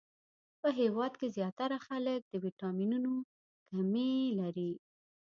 په هیواد کښی ځیاتره خلک د ويټامنونو کمې لری